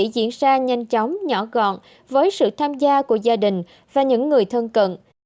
diễn ra nhanh chóng nhỏ gọn với sự tham gia của gia đình và những người thân cận